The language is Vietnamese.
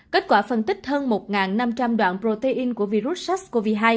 kết quả phân tích hơn một năm trăm linh đoạn protein của virus sars cov hai